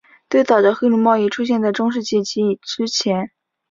最早的黑奴贸易出现在中世纪及之前。